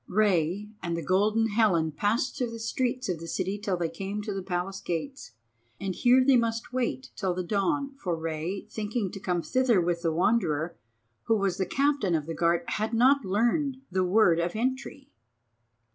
Rei and the Golden Helen passed through the streets of the city till they came to the Palace gates. And here they must wait till the dawn, for Rei, thinking to come thither with the Wanderer, who was Captain of the Guard, had not learned the word of entry.